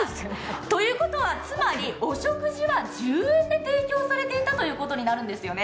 ということは、つまり、お食事は１０円で提供されていたということになるんですよね。